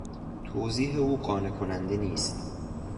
توضیح او قانع کننده نیست.